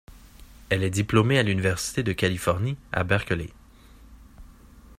Elle est diplômée de l'université de Californie à Berkeley.